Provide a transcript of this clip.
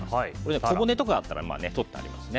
小骨とかあったらとってありますね。